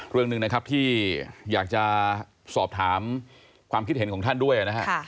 เรื่องหนึ่งนะครับที่อยากจะสอบถามความคิดเห็นของท่านด้วยนะฮะ